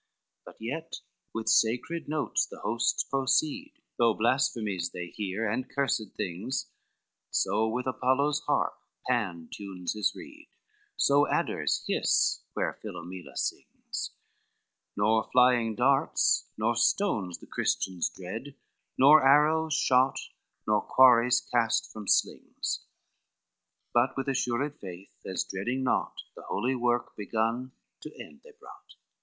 XIII But yet with sacred notes the hosts proceed, Though blasphemies they hear and cursed things; So with Apollo's harp Pan tunes his reed, So adders hiss where Philomela sings; Nor flying darts nor stones the Christians dreed, Nor arrows shot, nor quarries cast from slings; But with assured faith, as dreading naught, The holy work begun to end they brought.